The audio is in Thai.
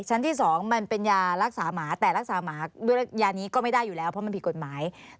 ชั้นที่๒มันเป็นยารักษาหมาแต่รักษาหมาด้วยยานี้ก็ไม่ได้อยู่แล้วเพราะมันผิดกฎหมาย